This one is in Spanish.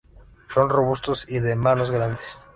Son robustos y de manos '"grandes".